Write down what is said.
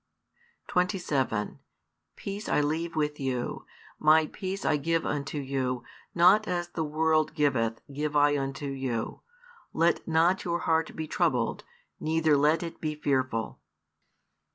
27 Peace I leave with you, My peace I give unto you: not as the world giveth, give I unto you. Let not your heart be troubled, neither let it be fearful.